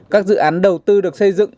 các dự án đầu tư được xây dựng